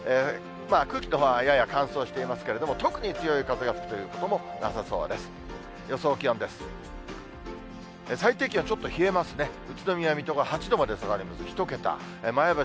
空気のほうは、やや乾燥していますけれども、特に強い風が吹くということもなさそうです。